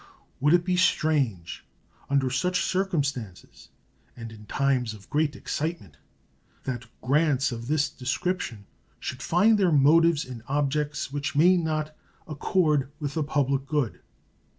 Would it be strange, under such circumstances, and in times of great excitement, that grants of this description should find their motives in objects which may not accord with the public good?